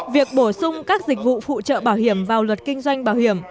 việc bổ sung các dịch vụ phụ trợ bảo hiểm vào luật kinh doanh bảo hiểm